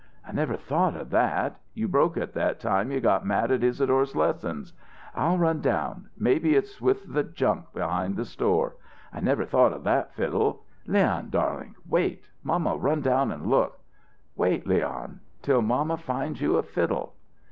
"I never thought of that! You broke it that time you got mad at Isadore's lessons. I'll run down. Maybe it's with the junk behind the store. I never thought of that fiddle, Leon darlink wait mamma'll run down and look wait, Leon, till mamma finds you a fiddle."